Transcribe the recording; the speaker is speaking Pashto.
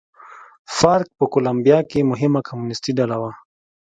فارک په کولمبیا کې مهمه کمونېستي ډله وه.